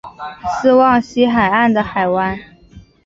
斯旺西海湾的海湾。